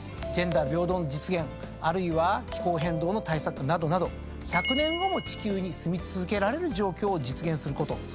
ジェンダー平等の実現あるいは気候変動の対策などなど１００年後も地球に住み続けられる状況を実現すること。